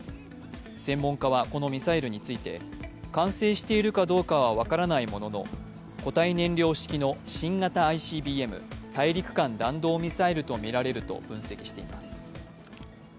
専門家はこのミサイルについて、完成しているかどうかは分からないものの固体燃料式の新型ＩＣＢＭ＝大陸間弾道ミサイルとみられると分析しています。